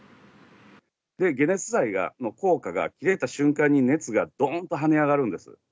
解熱剤の効果が切れた瞬間に、熱がどんと跳ね上がるんです。